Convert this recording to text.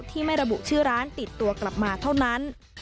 ไม่ระบุชื่อร้านติดตัวกลับมาเท่านั้น